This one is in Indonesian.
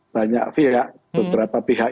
banyak pihak beberapa pihak